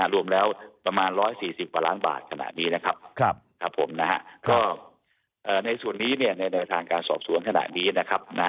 รวมแล้วประมาณ๑๔๐บาทขนาดนี้นะครับในส่วนนี้เนี่ยในทางการสอบสวนขนาดนี้นะครับ